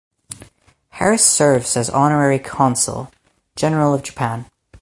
Harris serves as Honorary Consul General of Japan.